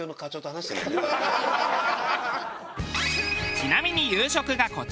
ちなみに夕食がこちら。